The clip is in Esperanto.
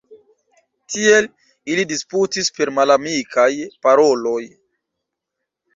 Tiel ili disputis per malamikaj paroloj.